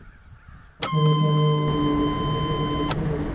হাওয়া তার নাম আবদুল হারিছ রেখে দিলে সে বেঁচে যায়।